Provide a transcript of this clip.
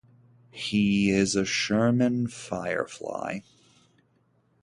He is a Sherman Firefly.